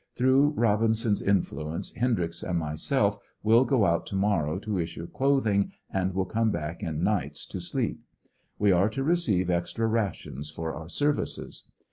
Through Robinson's influence Hendryx and myself will go out to morrow to issue clothing, and will come in nights to sleep. We are to receive extra rations for our services.